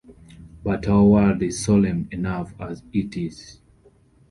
But our world is solemn enough as it is.